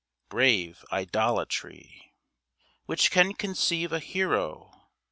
Brave idolatry Which can conceive a hero!